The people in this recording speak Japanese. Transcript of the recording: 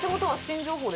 新情報！